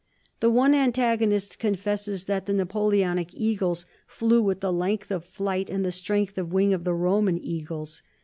The one antagonist confesses that the Napoleonic eagles flew with the length of flight and the strength of wing of the Roman eagles.